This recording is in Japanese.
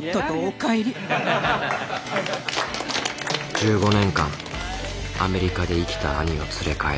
１５年間アメリカで生きた兄を連れ帰る